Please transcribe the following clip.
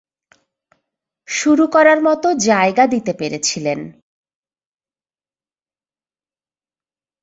শুরু করার মত জায়গা দিতে পেরেছিলেন।